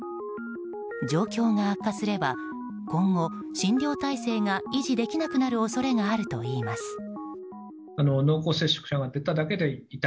状況が悪化すれば今後診療体制が維持できなくなる恐れがあるといいます。